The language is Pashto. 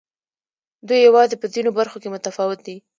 دوی یوازې په ځینو برخو کې متفاوت دي.